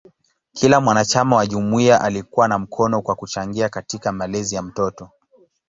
Kila mwanachama wa jumuiya alikuwa na mkono kwa kuchangia katika malezi ya mtoto.